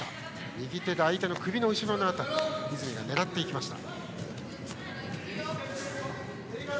右手で相手の首の後ろの辺りを泉が狙っていった。